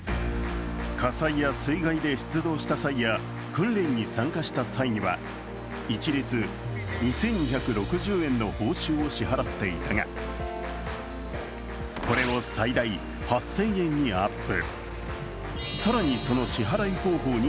一つは火災や水害で出動した際や訓練に参加した際には一律２１６０円の報酬を支払っていたが、これを最大８０００円にアップ。